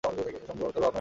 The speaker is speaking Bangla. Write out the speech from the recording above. তবে আর ভাবনা কিসের।